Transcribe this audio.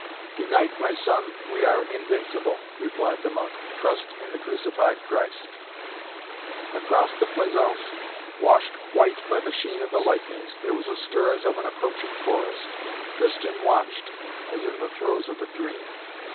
"To night, my son, we are invincible," replied the monk. "Trust in the Crucified Christ!" Across the plaisaunce, washed white by the sheen of the lightnings, there was a stir as of an approaching forest. Tristan watched as in the throes of a dream.